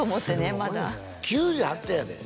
まだ９８点やで？